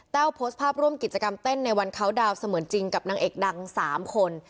โพสต์ภาพร่วมกิจกรรมเต้นในวันเขาดาวเสมือนจริงกับนางเอกดัง๓คน